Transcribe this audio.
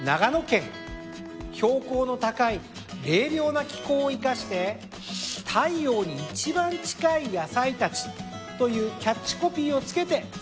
標高の高い冷涼な気候を生かして「太陽に一番近い野菜たち」というキャッチコピーを付けて栽培しています。